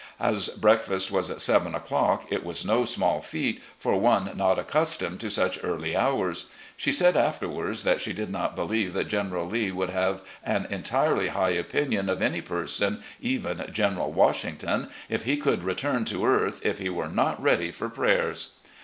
As breakfast was at seven o'clock, it was no small feat for one not accustomed to such early hours. She said afterward that she did not believe that General Lee would have an entirely high opinion of any person, even General Washington, if he could return to earth, if he were not ready for prayers